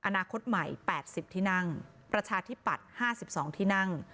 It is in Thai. อนาคตใหม่แปดสิบที่นั่งประชาธิปัตย์ห้าสิบสองที่นั่ง